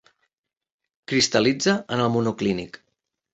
Cristal·litza en el monoclínic.